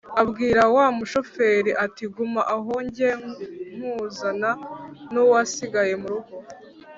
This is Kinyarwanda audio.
abwira wa mushoferi ati:"guma aho njye kuzana n'uwasigaye mu rugo!".